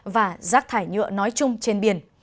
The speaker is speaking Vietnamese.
và rác thải nhựa nói chung trên biển